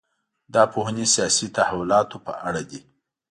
دا پوهنې سیاسي تحولاتو په اړه دي.